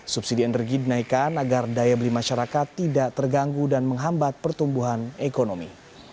subsidi energi dinaikkan agar daya beli masyarakat tidak terganggu dan menghambat pertumbuhan ekonomi